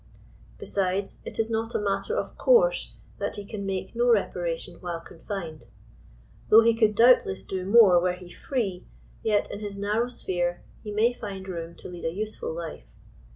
Besides, it is not a matter of course that he can make no repara tion while confined. Though he could doubtless do more were he free, yet in his narrow sphere he may find room to lead a useful life.